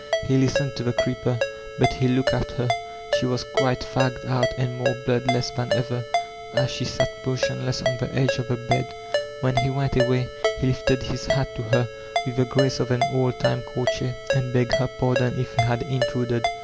He listened to the creeper, but he looked at her ; she was quite fagged out and more blood less than ever as she sat motionless on the edge of the bed. When he went away he lifted his hat to her with the grace of an old time courtier, and begged her pardon if he had intruded.